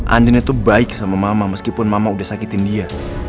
andina itu baik sama mama meskipun mama udah sakitin dia